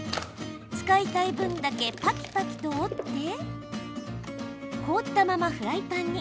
使いたい分だけパキパキと折って凍ったままフライパンに。